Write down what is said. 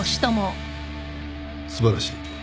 素晴らしい。